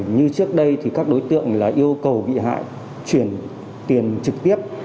như trước đây thì các đối tượng yêu cầu bị hại chuyển tiền trực tiếp